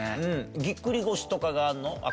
ぎっくり腰とかがあるの？